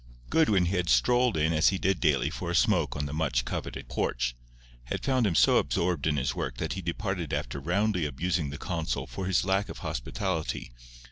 Goodwin, who had strolled in as he did daily for a smoke on the much coveted porch, had found him so absorbed in his work that he departed after roundly abusing the consul for his lack of hospitality.